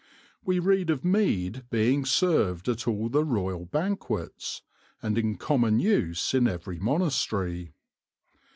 We read of mead being served at all the royal banquets, and in common use in every monastery.